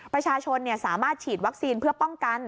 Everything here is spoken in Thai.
ประชาชนสามารถฉีดวัคซีนเพื่อป้องกัน